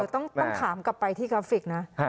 ต้องถามกลับไปที่กราฟิกนะ